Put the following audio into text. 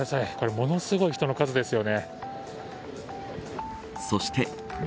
ものすごい人の数ですよね。